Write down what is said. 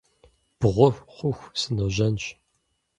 Бгъу хъуху сыножьэнщ.